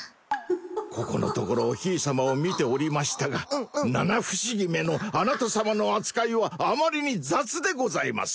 ここのところおひいさまを見ておりましたがうんうん七不思議めのあなた様の扱いはあまりに雑でございます！